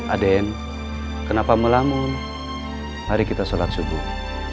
aden kenapa melamun mari kita sholat subuh